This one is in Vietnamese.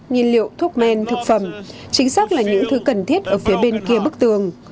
nhiên liệu thuốc men thực phẩm chính xác là những thứ cần thiết ở phía bên kia bức tường